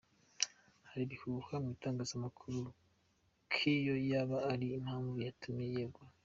Hari ibihuha mu itangazamakuru ko iyi yaba ari yo mpamvu yatumye yegura.